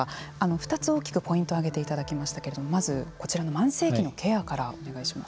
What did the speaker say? ２つ大きくポイントを挙げていただきますけれどもまず、こちらの慢性期のケアからお願いします。